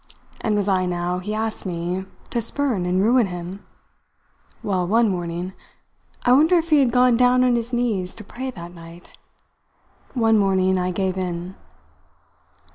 And was I now, he asked me, to spurn and ruin him? Well, one morning I wonder if he had gone down on his knees to pray that night! one morning I gave in."